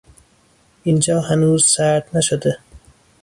اینجا هنوز سرد نشده